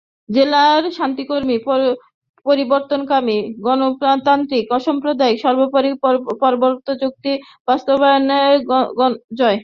জেলার শান্তিকামী, পরিবর্তনকামী, গণতান্ত্রিক, অসামপ্রদায়িক—সর্বোপরি পার্বত্য চট্টগ্রাম চুক্তি বাস্তবায়নের পক্ষের গণমানুষের জয়।